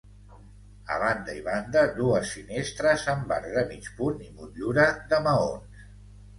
A banda i banda dues finestres amb arc de mig punt i motllura de maons.